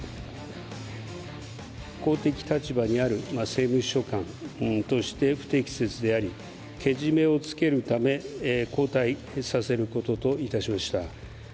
公的立場にある政務秘書官として不適切であり、けじめをつけるため、交代させることといたしました。